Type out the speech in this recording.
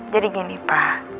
jadi gini pak